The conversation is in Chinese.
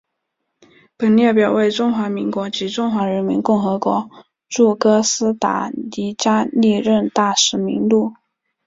本列表为中华民国及中华人民共和国驻哥斯达黎加历任大使名录。